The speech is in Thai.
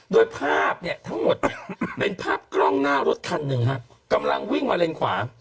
โดยภาพเนี่ยทั้งหมดเนี่ยเป็นภาพกล้องหน้ารถคันหนึ่งฮะกำลังวิ่งมาเลนขวา